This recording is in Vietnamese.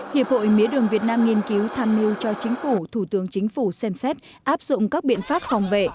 hiệp hội mía đường việt nam nghiên cứu tham mưu cho chính phủ thủ tướng chính phủ xem xét áp dụng các biện pháp phòng vệ